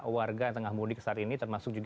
warga yang tengah mudik saat ini termasuk juga